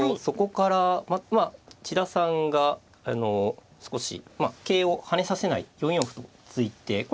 そこから千田さんが少し桂を跳ねさせない４四歩と突いて。